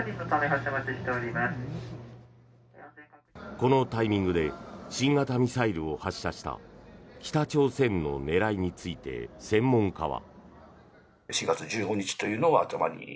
このタイミングで新型ミサイルを発射した北朝鮮の狙いについて専門家は。